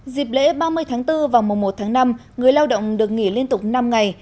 dịp lễ ba mươi tháng bốn và mùa một tháng năm người lao động được nghỉ liên tục năm ngày